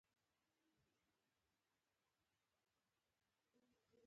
پکورې له چای سره غم هم هېرېږي